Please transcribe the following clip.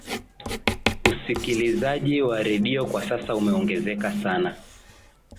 usikilizaji wa redio kwa sasa umeongezeka sana